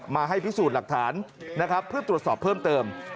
มาให้พิสูจน์หลักฐานนะครับเพื่อตรวจสอบเพิ่มเติม